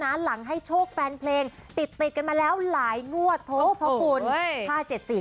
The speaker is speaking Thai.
เพราะหลังให้โชคแฟนเพลงติดกันมาแล้วหลายงวดโทษพระบุญ